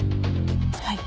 はい。